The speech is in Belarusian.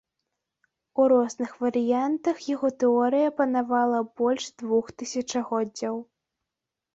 У розных варыянтах яго тэорыя панавала больш двух тысячагоддзяў.